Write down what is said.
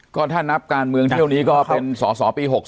ก็ถ้านับการเมืองเที่ยวนี้ก็เป็นสอสอปี๖๒